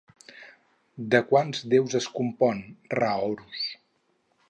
De quants déus es compon Ra-Horus?